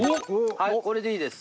はいこれでいいです。